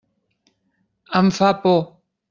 Em fa por.